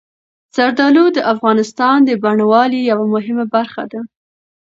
زردالو د افغانستان د بڼوالۍ یوه مهمه برخه ده.